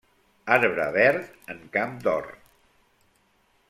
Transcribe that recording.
Arbre verd en camp d'or.